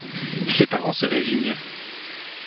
Ses parents se résignent.